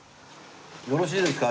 よろしいですか？